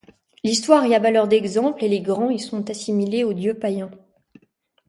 L’Histoire y a valeur d’exemple et les Grands y sont assimilés aux dieux païens.